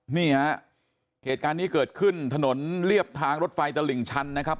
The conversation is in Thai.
นี่ฮะเหตุการณ์นี้เกิดขึ้นถนนเรียบทางรถไฟตลิ่งชันนะครับ